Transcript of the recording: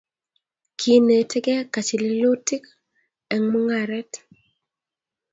Kinetekee kachililutik eng mungaret